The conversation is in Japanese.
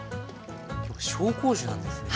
紹興酒なんですね。